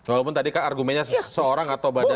walaupun tadi kak argumennya seorang atau badan